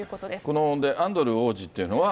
このアンドルー王子というのは。